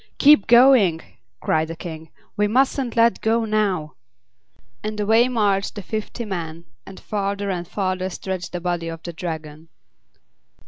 "Keep going!" cried the King; "we mustn't let go now!" And away marched the fifty men, and farther and farther stretched the body of the Dragon.